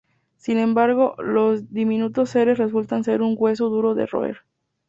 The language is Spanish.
Sin embargo, los diminutos seres resultan ser un hueso duro de roer.